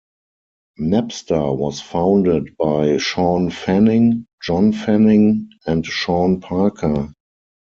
Napster was founded by Shawn Fanning, John Fanning, and Sean Parker.